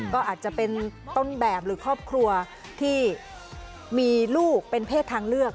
ก็อาจจะเป็นต้นแบบหรือครอบครัวที่มีลูกเป็นเพศทางเลือก